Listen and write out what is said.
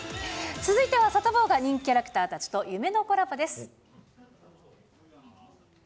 続いてはサタボーが人気キャラクターたちと夢のコラボです。